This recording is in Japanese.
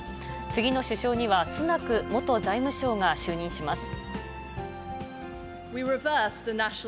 次の首相には、スナク元財務相が就任します。